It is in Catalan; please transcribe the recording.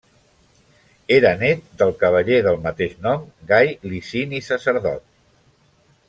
Era nét del cavaller del mateix nom, Gai Licini Sacerdot.